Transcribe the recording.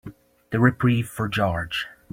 The reprieve for George.